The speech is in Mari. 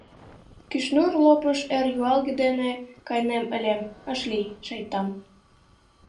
Кӱшнур лопыш эр юалге дене кайынем ыле, ыш лий, шайтан!